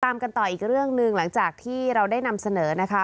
ตามกันต่ออีกเรื่องหนึ่งหลังจากที่เราได้นำเสนอนะคะ